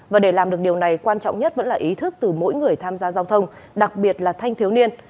và để làm được điều này quan trọng nhất vẫn là ý thức từ mỗi người tham gia giao thông đặc biệt là thanh thiếu niên